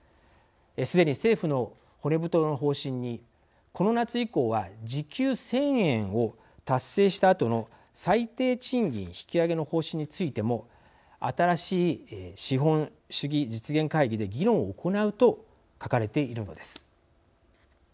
すでに政府の骨太の方針にこの夏以降は時給１０００円を達成したあとの最低賃金引き上げの方針についても新しい資本主義実現会議で議論を行うと書かれているのです。